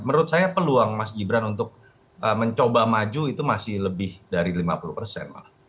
menurut saya peluang mas gibran untuk mencoba maju itu masih lebih dari lima puluh persen